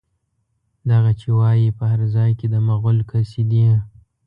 دغه چې وايي، په هر ځای کې د مغول قصيدې